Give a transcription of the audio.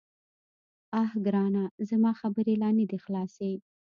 _اه ګرانه، زما خبرې لا نه دې خلاصي.